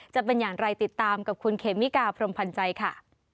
จะเป็นอย่างไรติดตามกับคุณเขมิกาพรมพันธ์ใจค่ะ